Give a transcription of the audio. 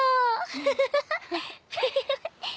フフフフ。